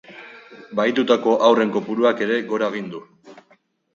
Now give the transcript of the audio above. Bahitutako haurren kopuruak ere gora egin du.